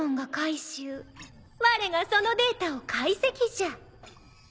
われがそのデータを解析じゃ。